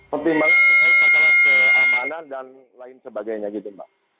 pertimbangan masalah keamanan dan lain sebagainya gitu mbak